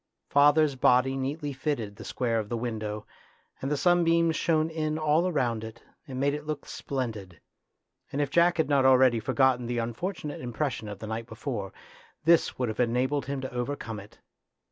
Father's body neatly fitted the square of the window, and the sunbeams shone in all round it and made it look splendid ; and if Jack had not already for gotten the unfortunate impression of the night before, this would have enabled him to over come it.